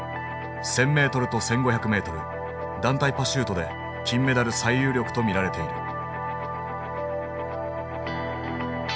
１，０００ｍと１，５００ｍ団体パシュートで金メダル最有力と見られている。